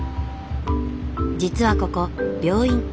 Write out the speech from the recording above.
実はここ病院。